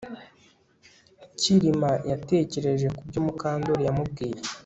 Kirima yatekereje kubyo Mukandoli yamubwiye